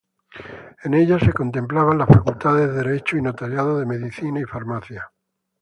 En ella se contemplaban las facultades de Derecho y Notariado, de Medicina y Farmacia.